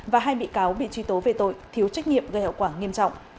và hai bị cáo bị truy tố về tội thiếu trách nhiệm gây hậu quả nghiêm trọng